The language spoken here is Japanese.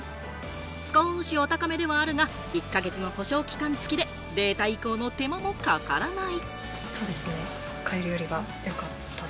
すこし、お高めではあるが、１か月の保証期間付きでデータ移行の手間もかからない。